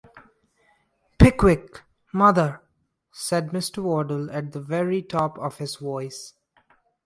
Pickwick, mother,’ said Mr. Wardle, at the very top of his voice.